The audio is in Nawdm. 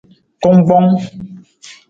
Kungkpong.